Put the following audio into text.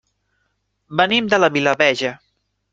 Venim de la Vilavella.